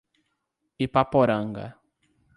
Ipaporanga